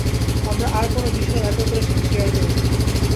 আমরা আর কোনো বিষয় একে অপরের সাথে শেয়ার করি না।